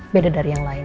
beda dari yang lain